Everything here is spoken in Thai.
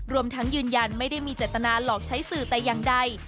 รวมทั้งยืนยันไม่ได้มีเจตนาหลอกใช้สื่อแต่อย่างใด